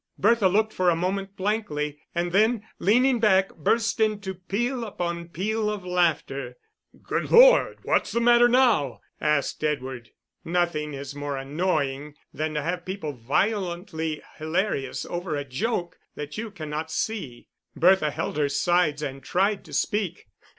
Bertha looked for a moment blankly, and then, leaning back, burst into peal upon peal of laughter. "Good Lord, what is the matter now?" asked Edward. Nothing is more annoying than to have people violently hilarious over a joke that you cannot see. Bertha held her sides and tried to speak.